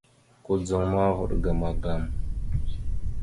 Kudzaŋ ma, vaɗ ga magam.